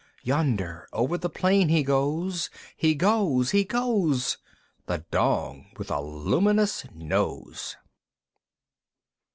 "Yonder over the plain he goes; "He goes; "He goes! "The Dong with a luminous Nose!"